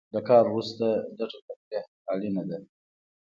له کار وروسته لږه تفریح اړینه ده.